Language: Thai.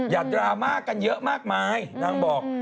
ดราม่ากันเยอะมากมายนางบอก